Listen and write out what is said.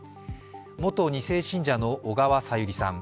元２世信者の小川さゆりさん。